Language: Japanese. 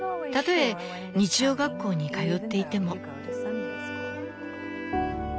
たとえ日曜学校に通っていても」。